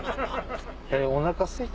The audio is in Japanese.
おなかすいた。